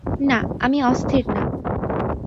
না আমি অস্থির না।